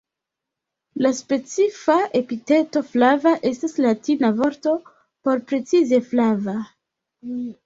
La specifa epiteto "flava" estas latina vorto por precize "flava".